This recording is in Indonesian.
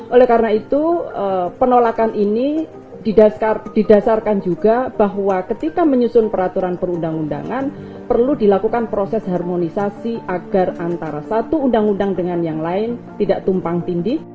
oleh karena itu penolakan ini didasarkan juga bahwa ketika menyusun peraturan perundang undangan perlu dilakukan proses harmonisasi agar antara satu undang undang dengan yang lain tidak tumpang tindih